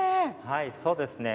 はいそうですね。